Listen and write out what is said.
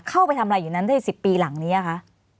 เข้าไปทำอะไรอยู่นั้นได้๑๐ปีหลังนี้คะ